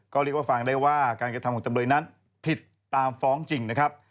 ก็ฟังได้ว่าการกระทำของจำเลยนั้นผิดตามฟ้องจริง